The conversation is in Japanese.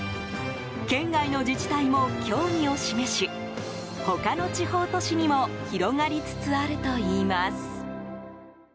県外の自治体も興味を示し他の地方都市にも広がりつつあるといいます。